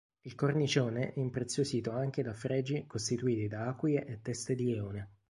Il cornicione è impreziosito anche da fregi costituiti da aquile e teste di leone.